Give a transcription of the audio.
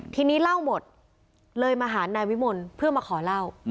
ทีนี้เล่าหมดเลยมาหานายวิมลเพื่อมาขอเล่า